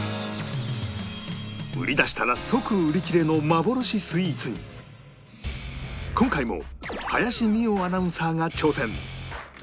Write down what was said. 売り出したら即売り切れの幻スイーツに今回も林美桜アナウンサーが挑戦